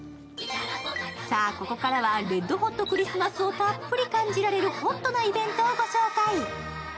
さっあ、ここからは「レッド・ホット・クリスマス」をたっぷり感じられるＨＯＴなイベントをご紹介。